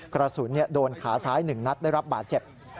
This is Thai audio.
กระสุนโดนขาซ้าย๑นัดได้รับบาดเจ็บ